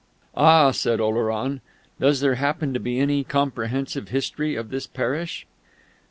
"Ah!" said Oleron.... "Does there happen to be any comprehensive history of this parish?"